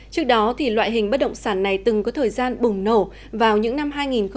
trước đó thì loại hình bất động sản này từng có thời gian bùng nổ vào những năm hai nghìn một mươi sáu hai nghìn một mươi bảy